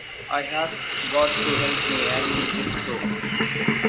I asked God to help me, and he did so.